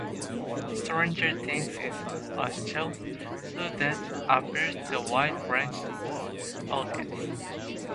"Stranger Things" is a show that appeals to a wide range of audiences.